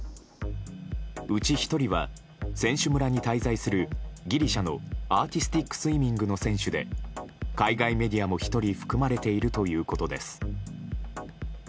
うち１人は選手村に滞在するギリシャのアーティスティックスイミングの選手で海外メディアも１人含まれているということです。